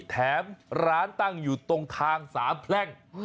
แถมร้านตั้งอยู่ตรงทางสามแพร่ง